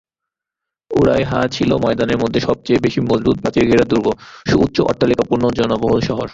উরায়হা ছিল ময়দানের মধ্যে সবচেয়ে বেশি মজবুত প্রাচীরঘেরা দুর্গ, সুউচ্চ অট্টালিকাপূর্ণ জনবহুল শহর।